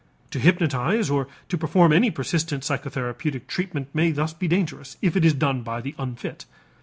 To hypnotize or to perform any persistent psychotherapeutic treatment may thus be dangerous, if it is done by the unfit.